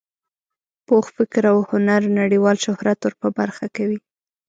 پوخ فکر او هنر نړیوال شهرت ور په برخه کوي.